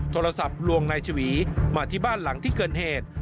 โทรศัพท์ลวงนายชวีมาที่บ้านหลังที่เกิดเหตุ